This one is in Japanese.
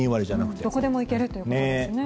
どこでも行けるということですね。